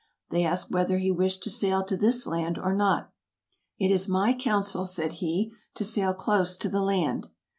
They asked whether he wished to sail to this land or not. " It is my counsel " [said he] " to sail close to the land."